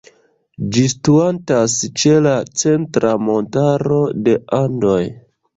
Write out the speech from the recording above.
Ĝi situantas ĉe la Centra Montaro de Andoj.